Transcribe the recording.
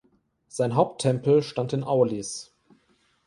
Sein Haupttempel stand in Aulis.